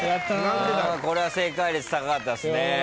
これは正解率高かったっすね。